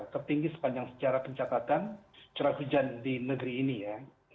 tertinggi sepanjang secara pencatatan curah hujan di negeri ini ya